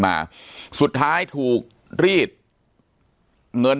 ปากกับภาคภูมิ